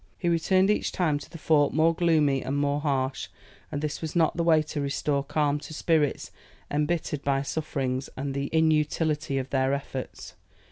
He returned each time to the fort more gloomy and more harsh; and this was not the way to restore calm to spirits embittered by sufferings and the inutility of their efforts.